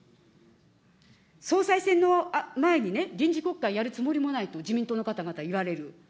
総裁選の前にね、臨時国会、やるつもりもないと、自民党の方々言われる。